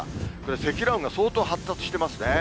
積乱雲が相当発達してますね。